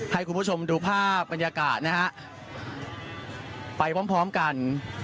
ให้คุณผู้ชมดูภาพบรรยากาศนะฮะไปพร้อมพร้อมกัน